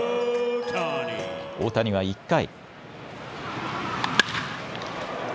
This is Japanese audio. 大谷は１回。